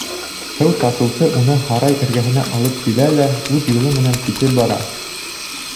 Һыу ташыусы уны һарай эргәһенә алып килә лә үҙ юлы менән китеп бара.